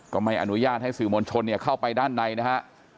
ก็ไม่อนุญาตให้สื่อมวลชนเข้าไปด้านในนะฮะ